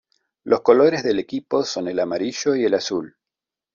Los colores del equipo son el amarillo y el azul.